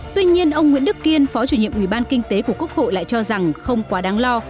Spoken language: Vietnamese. tuy nhiên ông nguyễn đức kiên phó chủ nhiệm ủy ban kinh tế của quốc hội lại cho rằng không quá đáng lo